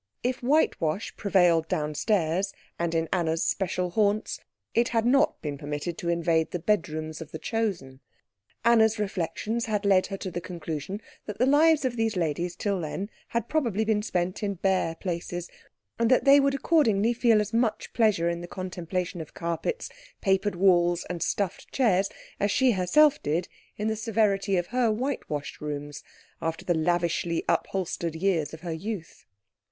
If whitewash prevailed downstairs, and in Anna's special haunts, it had not been permitted to invade the bedrooms of the Chosen. Anna's reflections had led her to the conclusion that the lives of these ladies had till then probably been spent in bare places, and that they would accordingly feel as much pleasure in the contemplation of carpets, papered walls, and stuffed chairs, as she herself did in the severity of her whitewashed rooms after the lavishly upholstered years of her youth.